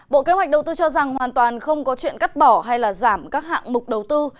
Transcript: bộ kế hoạch đầu tư cho rằng hoàn toàn không có chuyện cắt bỏ hay giảm các hạng mục đầu tư